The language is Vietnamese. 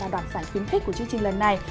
đoàn giải khuyến khích của chương trình lần này